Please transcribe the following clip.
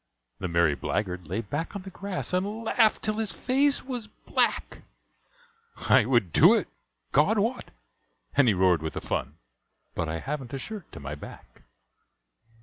The merry blackguard lay back on the grass, And laughed till his face was black; "I would do it, God wot," and he roared with the fun, "But I haven't a shirt to my back."